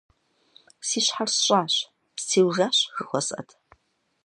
Си щхьэр сщӀащ – «стеужащ» жыхуэсӀэт.